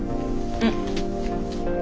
うん？